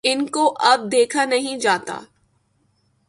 ان کو اب دیکھا نہیں جاتا۔